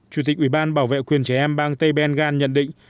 chủ tịch ủy ban bảo vệ quyền trẻ em bang tây ben gan nhận định